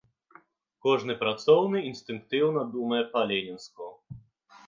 Кожны працоўны інстынктыўна думае па-ленінску.